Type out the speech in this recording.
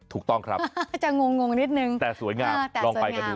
ถูกต้องครับจะงงนิดนึงแต่สวยงามลองไปกันดู